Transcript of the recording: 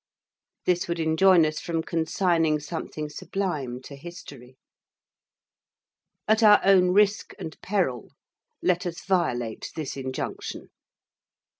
This would enjoin us from consigning something sublime to History. At our own risk and peril, let us violate this injunction.